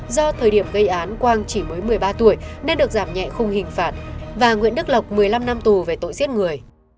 do thời điểm gây án quang chỉ mới một mươi ba tuổi nên được giảm nhẹ không hình phạt và nguyễn đức lộc một mươi năm năm tù về tội giết người